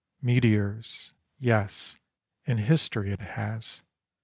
Meteors — yes, and history it has.